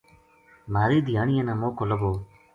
مھاری دھیانیاں نا موقعو لبھو